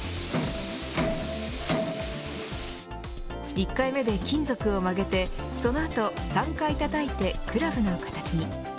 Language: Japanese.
１回目で金属を曲げてその後、３回たたいてクラブの形に。